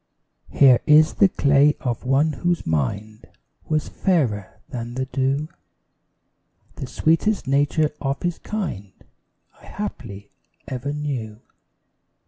Here is the clay of one whose mind Was fairer than the dew, The sweetest nature of his kind I haply ever knew.